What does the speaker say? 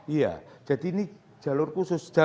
iya jadi ini jalur khusus